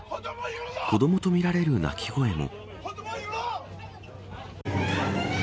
子どもとみられる泣き声も。